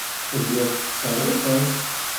Telliḍ tettṣerrifeḍ.